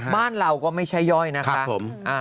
บ้านเราก็ไม่ใช่ย่อยนะคะ